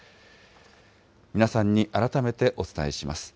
皆さんに改めてお伝えします。